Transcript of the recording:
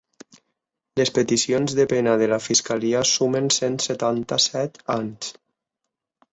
Les peticions de pena de la fiscalia sumen cent setanta-set anys.